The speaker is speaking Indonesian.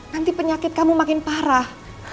nanti penyakit kamu makin parah